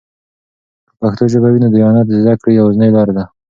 که پښتو ژبه وي، نو دیانت د زده کړې یوازینۍ لاره ده.